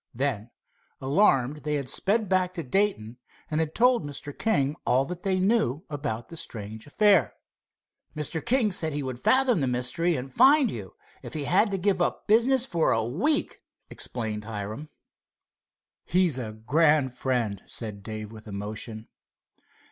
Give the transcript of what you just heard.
Then, alarmed they had sped back to Dayton and had told Mr. King all they knew about the strange affair. "Mr. King said he would fathom the mystery and find you, if he had to give up business for a week," explained Hiram. "He's a grand friend," said Dave with emotion.